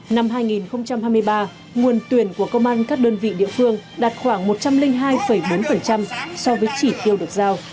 năm hai nghìn hai mươi ba nguồn tuyển của công an các đơn vị địa phương đạt khoảng một trăm linh hai bốn so với chỉ tiêu được giao